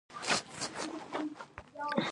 د بیان ازادي مهمه ده ځکه چې اعتماد رامنځته کوي.